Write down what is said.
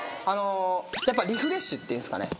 やっぱリフレッシュっていうんすかね。